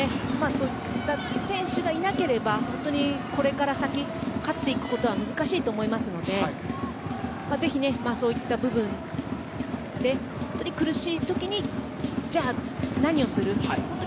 そういった選手がいなければこれから先、勝っていくことは難しいと思いますのでぜひ、そういった部分で本当に苦しい時にじゃあ、何をするか。